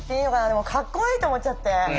でもかっこいいと思っちゃって。